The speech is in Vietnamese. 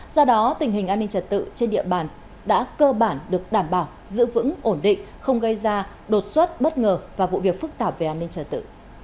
do đó tình hình an ninh trật tự trên địa bàn đã cơ bản được đảm bảo giữ vững ổn định không gây ra đột xuất bất ngờ và vụ việc phức tạp về an ninh trật tự